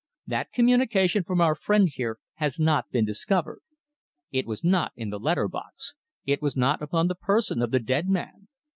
That communication from our friend here has not been discovered. It was not in the letter box; it was not upon the person of the dead man.